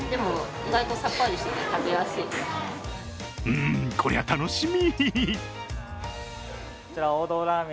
うん、こりゃ楽しみ。